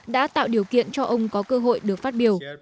đã tạo điều kiện cho ông có cơ hội được phát biểu